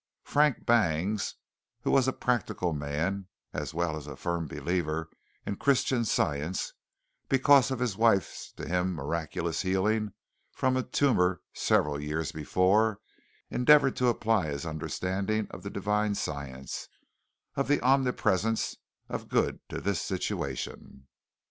Frank Bangs, who was a practical man, as well as firm believer in Christian Science because of his wife's to him miraculous healing from a tumor several years before, endeavored to apply his understanding of the divine science the omnipresence of good to this situation.